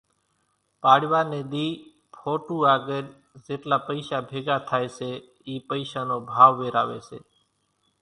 پاڙِوا ني ۮي ڦوٽُو آڳرِ زيٽلا پئيشا ڀيڳا ٿائي سي اِي پئيشان نو ڀائو ويراوي سي